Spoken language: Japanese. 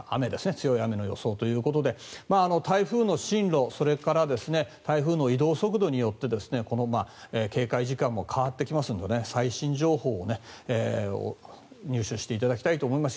強い雨の予想ということで台風の進路それから台風の移動速度によってこの警戒時間も変わってきますので最新情報を入手していただきたいと思います。